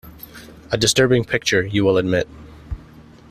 A disturbing picture, you will admit.